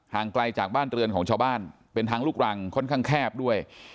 ไกลจากบ้านเรือนของชาวบ้านเป็นทางลูกรังค่อนข้างแคบด้วย